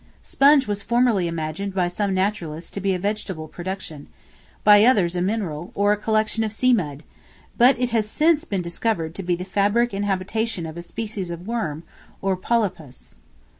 Sponge was formerly imagined by some naturalists to be a vegetable production; by others, a mineral, or a collection of sea mud, but it has since been discovered to be the fabric and habitation of a species of worm, or polypus.